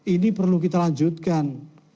ini perlu kita lanjutkan